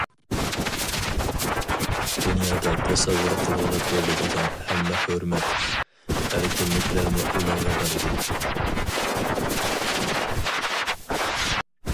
دۇنيادا تەسەۋۋۇر قىلغىلى بولىدىغان ھەممە ھۆرمەت، ئەركىنلىكلەرنى ئۇلارغا بەردى.